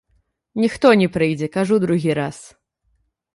Ніхто не прыйдзе, кажу другі раз.